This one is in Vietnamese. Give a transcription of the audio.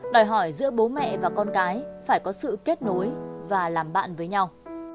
đòi hỏi giữa bố mẹ và con cái phải có sự kết nối và làm bạn với nhau